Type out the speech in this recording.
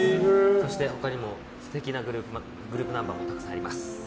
そして、他にも素敵なグループナンバーもたくさんです。